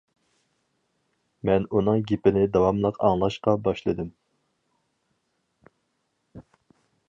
مەن ئۇنىڭ گېپىنى داۋاملىق ئاڭلاشقا باشلىدىم.